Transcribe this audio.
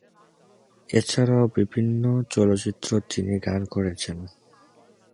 এছাড়াও বিভিন্ন চলচ্চিত্রে তিনি গান করেছেন।